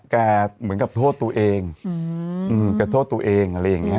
แกเหมือนกับโทษตัวเอง